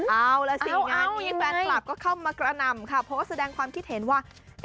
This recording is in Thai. เอาล่ะสิงานนี้แฟนคลับก็เข้ามากระหน่ำค่ะโพสต์แสดงความคิดเห็นว่า